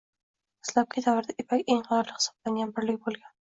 Dastlabki davrida ipak eng qadrli hisob-kitob birligi boʻlgan.